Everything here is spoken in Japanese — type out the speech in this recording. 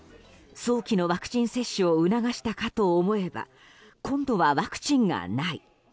早期のワクチン接種を促したかと思えば今度はワクチンがない。